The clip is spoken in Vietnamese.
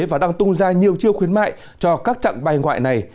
và đang tung ra nhiều chiêu khuyến mại cho các chặng bay ngoại này